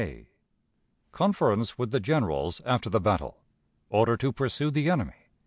Conference with the Generals after the Battle. Order to pursue the Enemy.